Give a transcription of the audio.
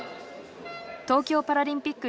東京パラリンピック